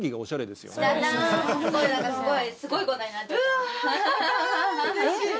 すごい何かすごいすごいことになっちゃった。